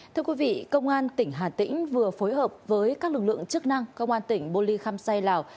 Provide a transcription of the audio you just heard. thưa quý vị công an tỉnh hà tĩnh vừa phối hợp với các lực lượng chức năng công an tỉnh bô ly khăm say lào